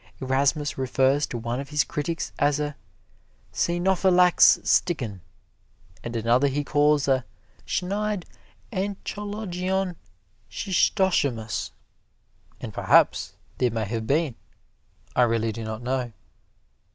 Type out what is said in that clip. Erasmus refers to one of his critics as a "scenophylax stikken," and another he calls a "schnide enchologion schistosomus." And perhaps they may have been I really do not know.